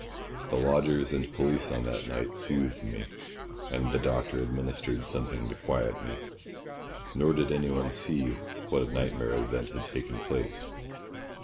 The lodgers and police on that night soothed me, and the doctor administered something to quiet me, nor did anyone see what a nightmare event had taken place.